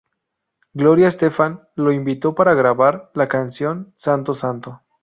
Gloria Estefan lo invitó para grabar la canción "Santo Santo".